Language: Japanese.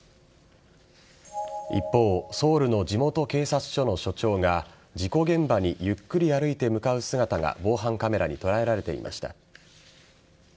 一方、ソウルの地元警察署の署長が、事故現場にゆっくり歩いて向かう姿が防犯カメラに捉えられていました。